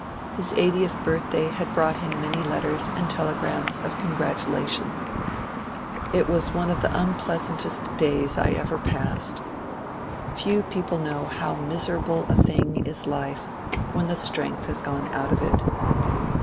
His eightieth birthday had brought him many letters and telegrams of congratulation. ^^ It was one of the unplea santest days I ever passed. Few people know how miserable a thing is life when the strength has gone out of it.